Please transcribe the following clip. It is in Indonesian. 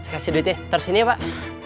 kasih duitnya terusinnya pak